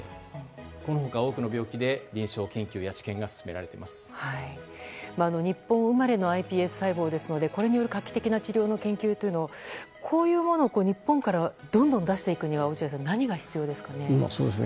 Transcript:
この他、多くの病気で臨床研究や日本生まれのｉＰＳ細胞ですのでこれによる画期的な治療の研究というのをこういうものを日本からどんどん出していくには落合さん、何が必要ですかね？